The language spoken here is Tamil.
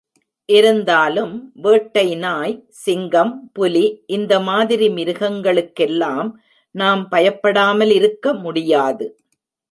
இருந்தாலும், வேட்டை நாய், சிங்கம் புலி இந்த மாதிரி மிருகங்களுக்கெல்லாம் நாம் பயப்படாமல் இருக்க முடியாது.